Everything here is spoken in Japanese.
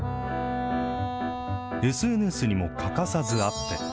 ＳＮＳにも欠かさずアップ。